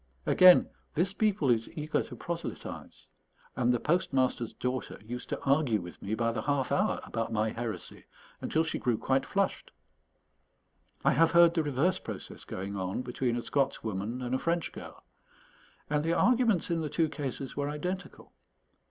Again, this people is eager to proselytize; and the postmaster's daughter used to argue with me by the half hour about my heresy, until she grew quite flushed. I have heard the reverse process going on between a Scots woman and a French girl; and the arguments in the two cases were identical.